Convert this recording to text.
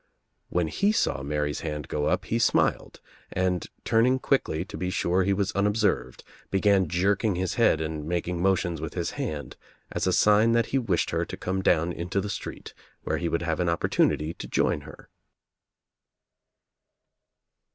When he saw Mary's hand go up he smiled and turning quickly to be sure he was unobserved began jerking his head and making mo tions with his hand as a sign that he wished her to come down into the street where he would have an op portunity to join her.